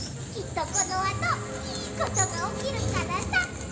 きっとこのあといいことがおきるからさ。